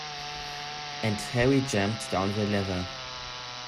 And Harry jammed down the lever.